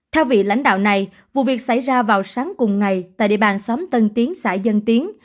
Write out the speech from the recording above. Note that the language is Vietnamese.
theo vị lãnh đạo này vụ việc xảy ra vào sáng cùng ngày tại địa bàn xóm tân tiến xã dân tiến